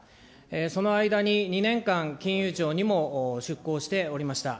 その間に２年間、金融庁にも出向しておりました。